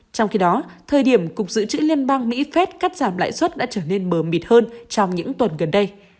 trong khi đó thời điểm cục dự trữ liên bang mỹ phép cắt giảm lãi suất đã trở nên mờ mịt hơn trong những tuần gần đây